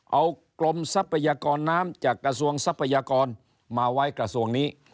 เอากรมทรัพยากรน้ำจากกระทรวงทรัพยากรมาไว้กระทรวงนี้